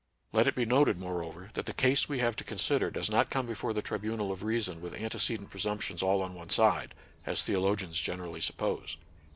Let it be noted, moreover, that the case we have to consider does not come before the tri bunal of reason with antecedent presumptions all on one side, as theologians generally suppose.